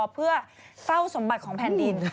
เพื่อเฝ้าสมบัติของแผ่นดิน